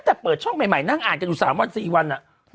เจอเบอร์เปิดช่องใหม่นั่งอ่าน๓๔วัน